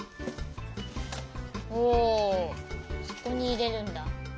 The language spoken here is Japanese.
おおそこにいれるんだ。